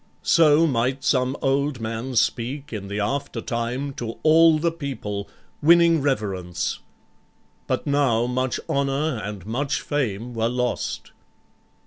So might some old man speak in the after time To all the people, winning reverence. But now much honor and much fame were lost."